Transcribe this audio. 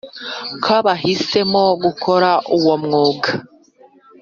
kabahisemo gukora uwo mwuga.